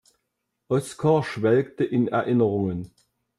Oskar schwelgte in Erinnerungen.